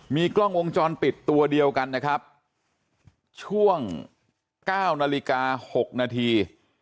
มีกล้องวงจรปิดตัวเดียวกันนะครับช่วง๙นาฬิกา๖นาที